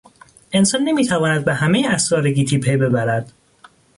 انسان نمیتواند به همهی اسرار گیتی پی ببرد.